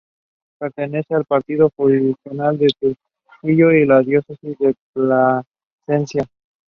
Breweries in Calgary and Ottawa released versions of Cronk later in the year.